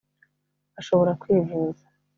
ashobora kwivuza